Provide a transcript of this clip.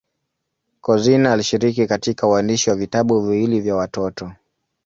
Couzyn alishiriki katika uandishi wa vitabu viwili vya watoto.